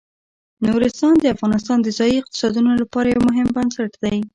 نورستان د افغانستان د ځایي اقتصادونو لپاره یو مهم بنسټ دی.